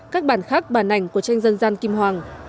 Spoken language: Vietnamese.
các bản khác bản ảnh của tranh dân gian kim hoàng